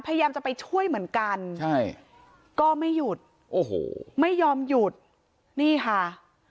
พยายามจะไปช่วยเหมือนกันใช่ก็ไม่หยุดโอ้โหไม่ยอมหยุดนี่ค่ะ